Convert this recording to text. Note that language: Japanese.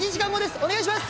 お願いします！